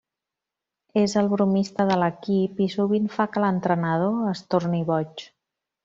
És el bromista de l'equip i sovint fa que l'entrenador es torni boig.